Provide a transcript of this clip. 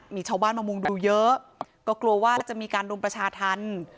มีชาวบ้านมามุงดูเยอะก็กลัวว่าจะมีการรุมประชาธรรม